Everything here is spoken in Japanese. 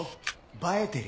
映えてる？